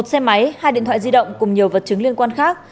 một xe máy hai điện thoại di động cùng nhiều vật chứng liên quan khác